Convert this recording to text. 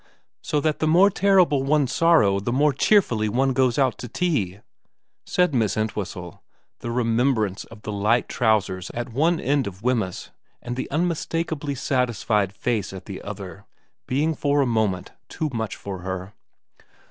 ' So that the more terrible one's sorrow the more cheerfully one goes out to tea,' said Miss Ent whistle, the remembrance of the light trousers at one end of Wemyss and the unmistakably satisfied face at the other being for a moment too much for her.